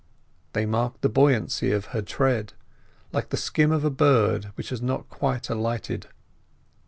They marked the buoyancy of her tread, like the skim of a bird which has not quite alighted.